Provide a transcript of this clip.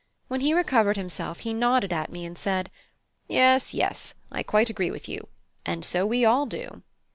When he recovered himself he nodded at me, and said: "Yes, yes, I quite agree with you and so we all do."